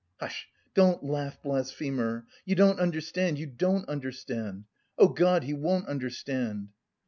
"Hush, don't laugh, blasphemer! You don't understand, you don't understand! Oh God! He won't understand!"